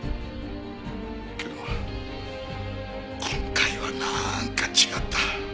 けど今回はなーんか違った。